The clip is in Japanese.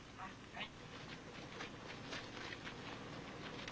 はい。